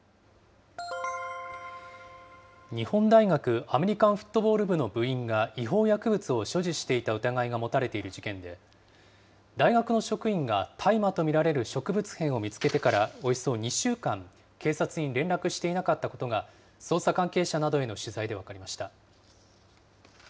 日本大学アメリカンフットボール部の部員が違法薬物を所持していた疑いが持たれている事件で、大学の職員が大麻と見られる植物片を見つけてからおよそ２週間、警察に連絡していなかったことが、捜査関係者などへの取材で分かりました。